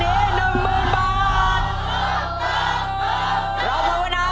ถ้าถูกข้อนี้๑หมื่นบาท